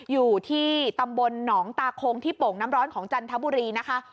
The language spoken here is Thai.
อยู่ที่ตำบลหนองตาโคงที่โป่งน้ำร้อนของจันทบุรีนะคะ